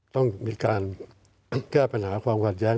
ต้องมีการแก้ปัญหาความขัดแย้ง